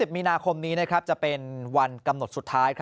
มีนาคมนี้จะเป็นวันกำหนดสุดท้าย